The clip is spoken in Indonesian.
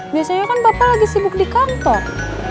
biasanya kan bapak lagi sibuk di kantor